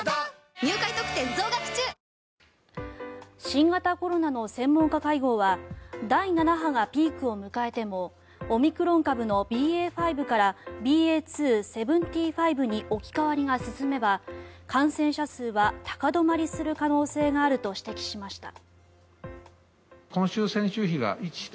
新型コロナの専門家会合は第７波がピークを迎えてもオミクロン株のＢＡ．５からＢＡ．２．７５に置き換わりが進めば感染者数は高止まりする可能性があると指摘しました。